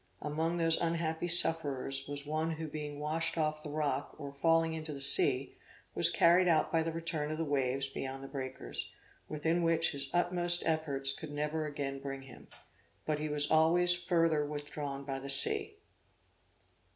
Among those unhappy sufferers was one who being washed off the rock, or falling into the sea, was carried out by the return of the waves beyond the breakers, within which his utmost efforts could never again bring him, but he was always further withdrawn by the sea.